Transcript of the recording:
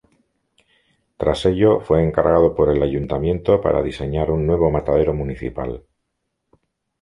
Tras ello fue encargado por el Ayuntamiento para diseñar un nuevo matadero municipal.